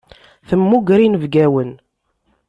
Temmuger inebgawen.